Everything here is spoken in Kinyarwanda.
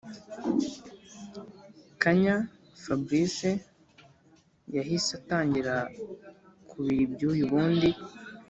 kanya fabric yahise atangira kubira ibyuya ubundi